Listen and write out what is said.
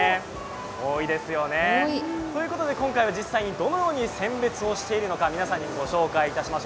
多いですよね、ということは今回実際にどのように選別をしているのか皆さんにご紹介します。